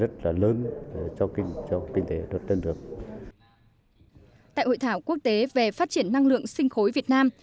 tại hội thảo quốc tế về phát triển năng lượng sinh khối việt nam